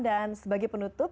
dan sebagai penutup